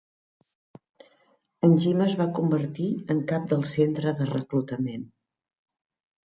En Jim es van convertir en cap del centre de reclutament.